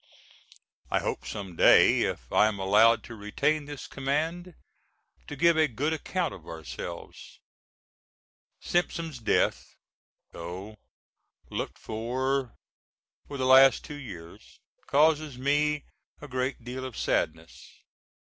I hope some day, if I am allowed to retain this command, to give a good account of ourselves. Simpson's death, though looked for for the last two years, causes me a great deal of sadness.